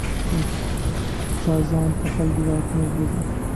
پاچا ځان په خلکو واکمن بولي.